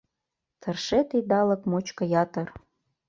Тыршет идалык мучко ятыр